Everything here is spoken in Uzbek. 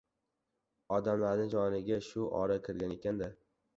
Odamlarning joniga shu ora kirgan ekan-da.